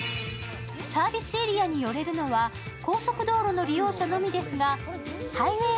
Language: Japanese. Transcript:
サービスエリアに寄れるのは高速道路の利用者のみですがハイウェイ